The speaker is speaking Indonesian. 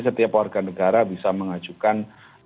setiap warga negara bisa mengajukan